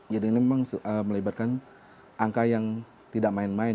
jadi ini memang melibatkan angka yang tidak main main